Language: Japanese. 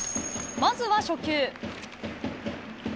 まず初球。